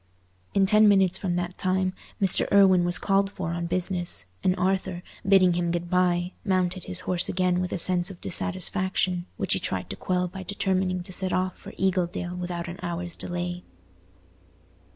In ten minutes from that time, Mr. Irwine was called for on business, and Arthur, bidding him good bye, mounted his horse again with a sense of dissatisfaction, which he tried to quell by determining to set off for Eagledale without an hour's delay.